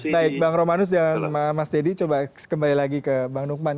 baik bang romanus dan mas deddy coba kembali lagi ke bang nukman